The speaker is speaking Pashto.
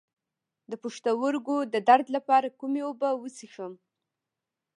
د پښتورګو د درد لپاره کومې اوبه وڅښم؟